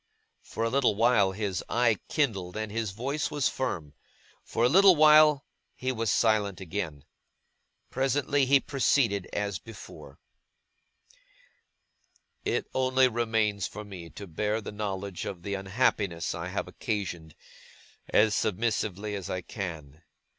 For a little while, his eye kindled and his voice was firm; for a little while he was again silent. Presently, he proceeded as before: 'It only remains for me, to bear the knowledge of the unhappiness I have occasioned, as submissively as I can.